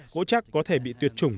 gỗ chắc có thể bị tuyệt chủng